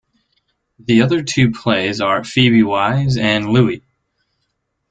The other two plays are "Phoebe Wise" and "Louie".